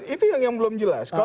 itu yang belum jelas